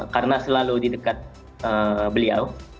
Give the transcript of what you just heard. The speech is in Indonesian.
karena selalu di dekat beliau